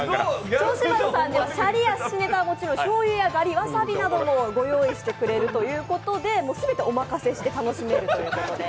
銚子丸さんではすしはもちろんしゃりやしょうゆ、がり、わさびなどもご用意してくれるということで、全てお任せして楽しめるということです。